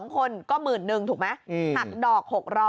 ๒คนก็๑๑๐๐ถูกไหมหักดอก๖๐๐